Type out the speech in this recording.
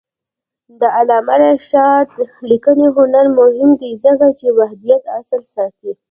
د علامه رشاد لیکنی هنر مهم دی ځکه چې وحدت اصل ساتي.